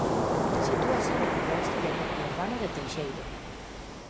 Sitúase no noroeste do núcleo urbano de Teixeiro.